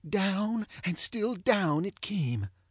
Down and still down, it came.